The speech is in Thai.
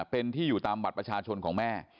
เป็นที่อยู่ตามบัตรประชาชนของแม่